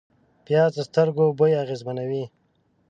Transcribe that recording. پیاز د سترګو بوی اغېزمنوي